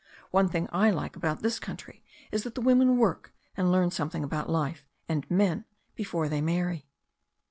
One thing I like about this country is that the women work, and learn something about life and men before they marry."